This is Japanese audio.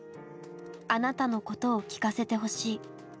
「あなたのことを聞かせてほしい」。